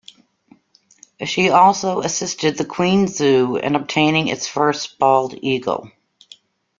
She also assisted the Queens Zoo in obtaining its first bald eagle.